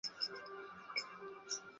宫坂是东京都世田谷区的町名。